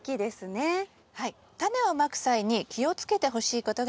タネをまく際に気をつけてほしいことがあります。